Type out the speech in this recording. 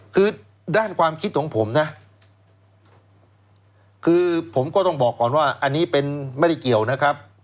คือด้านความคิดของผมนะคือผมก็ต้องบอกก่อนว่าอันนี้เป็นไม่ได้เกี่ยวนะครับ